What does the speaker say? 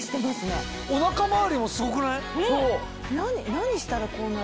何したらこうなる？